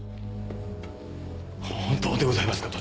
本当でございますか？